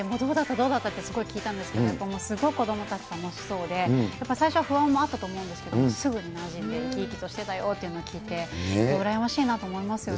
どうだった？ってすごい聞いたんですけれども、やっぱ、すごい子どもたち楽しそうで、最初は不安もあったと思うんですけども、すぐになじんでいって、生き生きとしてたよと聞いて、羨ましいなと思いますよね。